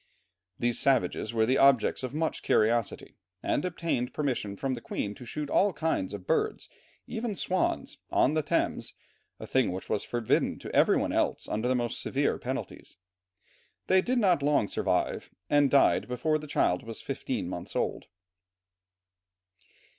These savages were the objects of much curiosity, and obtained permission from the Queen to shoot all kinds of birds, even swans, on the Thames, a thing which was forbidden to every one else under the most severe penalties. They did not long survive, and died before the child was fifteen months old.